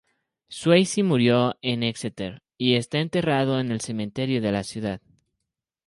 Swasey murió en Exeter y está enterrado en el cementerio de la ciudad.